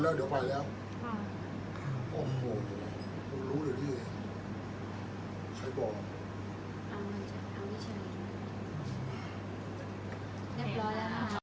อันไหนที่มันไม่จริงแล้วอาจารย์อยากพูด